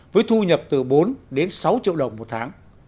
với thu nhập từ bốn đến sáu triệu đồng một tháng